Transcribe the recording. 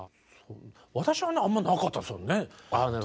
私はあんまりなかったですね。